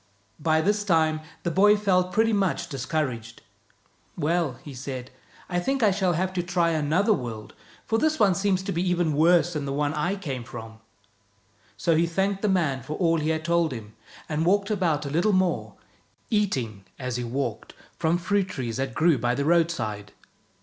By this time the boy felt pretty much discouraged. " Well," he said, " I think I shall have to try another world, for this one seems to be even worse than the one I came from." So he thanked the man for all he had told him, and walked about a little more, eating, as he walked, from fruit trees that grew by the roadside.